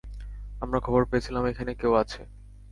আমরা খবর পেয়েছিলাম, এখানে এখনও কেউ আছে!